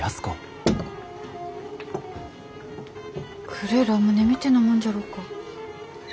黒えラムネみてえなもんじゃろうか？